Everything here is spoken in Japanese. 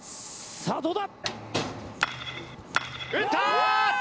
さあどうだ？